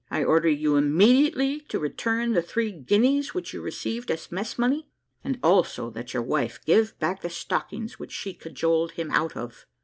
I order you immediately to return the three guineas which you received as mess money, and also that your wife give back the stockings which she cajoled him out of."